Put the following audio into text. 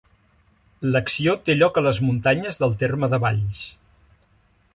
L'acció té lloc a les muntanyes del terme de Valls.